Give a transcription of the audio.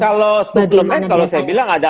bagaimana biasanya kalau suplemen kalau saya bilang ada